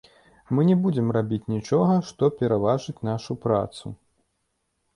Мы не будзем рабіць нічога, што пераважыць нашу працу.